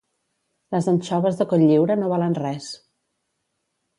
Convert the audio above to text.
Les anxoves de Cotlliure no valen res